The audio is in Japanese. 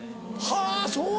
はぁそう！